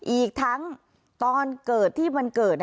อีกทั้งตอนเกิดที่มันเกิด